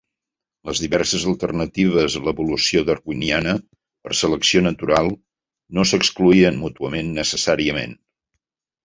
Les diverses alternatives a l'evolució darwiniana per selecció natural no s'excloïen mútuament necessàriament.